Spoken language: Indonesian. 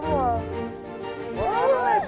biasa lagi belajar warna